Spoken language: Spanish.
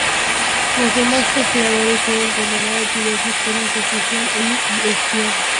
Los demás conspiradores fueron condenados a diversas penas de prisión y destierro.